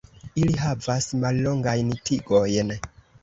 Ili havas mallongajn tigojn.